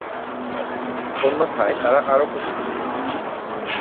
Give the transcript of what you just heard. অন্যথায় তারা আরও ক্ষতি করত।